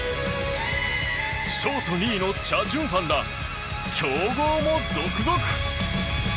ショート２位のチャ・ジュンファンら強豪も続々。